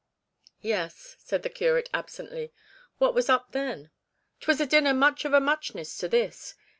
'Yes,' said the curate absently; 'what was up then?' ''Twas a dinner much of a muchness to this. Mrs.